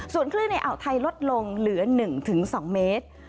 ส่วนคลื่นในอ่าวไทยลดลงเหลือ๑๒เมตร